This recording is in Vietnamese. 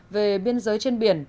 về biên giới trên biển